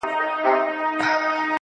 • ستا شاعري گرانه ستا اوښکو وړې.